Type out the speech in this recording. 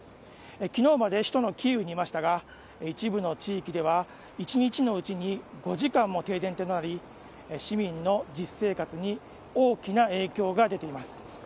昨日まで首都のキーウにいましたが一部の地域では一日のうちに５時間も停電となり市民の実生活に大きな影響が出ています。